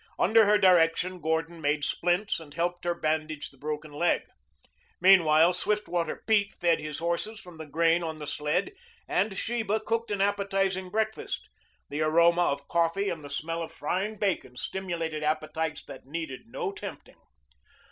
Under her direction Gordon made splints and helped her bandage the broken leg. Meanwhile Swiftwater Pete fed his horses from the grain on the sled and Sheba cooked an appetizing breakfast. The aroma of coffee and the smell of frying bacon stimulated appetites that needed no tempting.